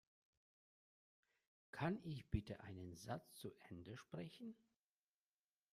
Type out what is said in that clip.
Kann ich bitte einen Satz zu Ende sprechen?